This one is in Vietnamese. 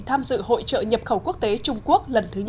tham dự hội trợ nhập khẩu quốc tế trung quốc